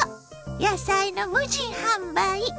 野菜の無人販売。